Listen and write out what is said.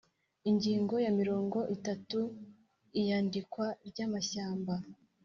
Ingingo ya mirongo itatu Iyandikwa ry amashyamba